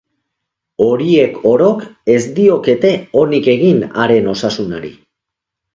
Horiek orok ez diokete onik egin haren osasunari.